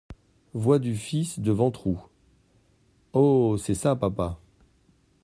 Voix du fils de Ventroux .— Oh ! c’est ça, papa !